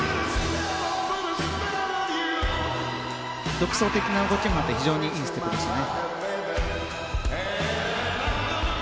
独創的な動きもありいいステップでしたね。